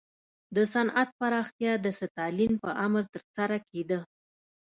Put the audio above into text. د صنعت پراختیا د ستالین په امر ترسره کېده.